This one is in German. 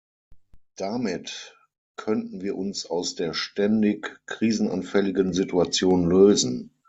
Damit könnten wir uns aus der ständig krisenanfälligen Situation lösen.